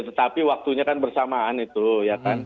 tetapi waktunya kan bersamaan itu ya kan